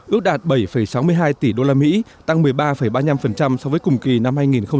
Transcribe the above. ước đạt bảy sáu mươi hai tỷ usd tăng một mươi ba ba mươi năm so với cùng kỳ năm hai nghìn một mươi chín